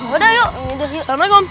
udah yuk yuk assalamualaikum